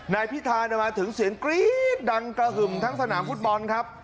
นายพิธามาถึงเสียงกรี๊ดดังกระหึ่มทั้งสนามฟุตบอลครับ